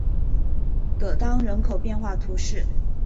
戈当人口变化图示